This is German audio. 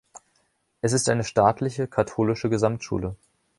Es ist eine staatliche, katholische Gesamtschule.